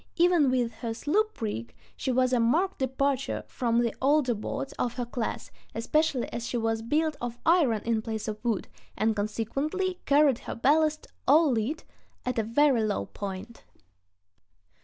Even with her sloop rig she was a marked departure from the older boats of her class, especially as she was built of iron in place of wood, and consequently carried her ballast, all lead, at a very low point.